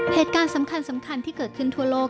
เหตุการณ์สำคัญที่เกิดขึ้นทั่วโลก